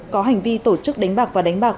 có hành vi tổ chức đánh bạc và đánh bạc